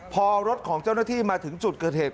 พอรถของเจ้าหน้าที่มาถึงจุดเกิดเหตุ